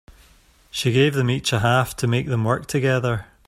She gave them each a half to make them work together.